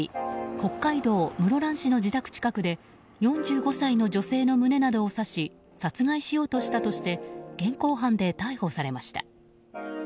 北海道室蘭市の自宅近くで４５歳の女性の胸などを刺し殺害しようとしたとして現行犯で逮捕されました。